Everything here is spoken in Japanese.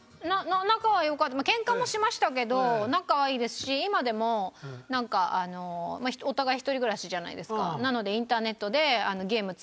仲は良かったケンカもしましたけど仲はいいですし今でもなんかあのお互い一人暮らしじゃないですかなのでええ！